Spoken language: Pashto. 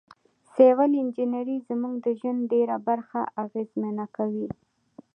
سیول انجنیری زموږ د ژوند ډیره برخه اغیزمنه کوي.